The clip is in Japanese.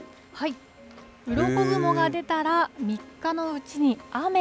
うろこ雲が出たら三日のうちに雨。